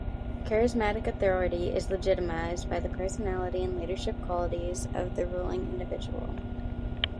Charismatic authority is legitimized by the personality and leadership qualities of the ruling individual.